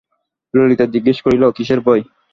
ললিতা জিজ্ঞাসা করিল, কিসের ভয়?